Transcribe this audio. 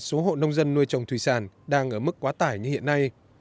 số hộ nông dân nuôi trồng thủy sản đang ở mức quá tải như hiện nay